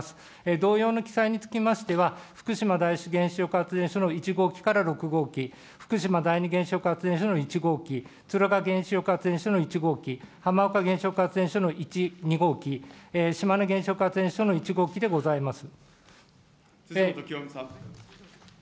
同様の記載につきましては、福島第一原子力発電所の１号機から６号機、福島第二原子力発電所の１号機、それから原子力発電所の１号機、はまおか原子力発電所の１、２号機、島根原子力発電所の１号機でございます。